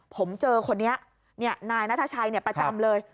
ผมเจอคนนี้นายนัทชัยประจำเลย